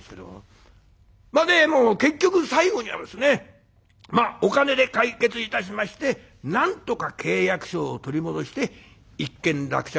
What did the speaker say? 結局最後にはですねお金で解決いたしましてなんとか契約書を取り戻して一件落着したわけですけども。